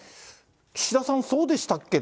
岸田さん、そうでしたっけ？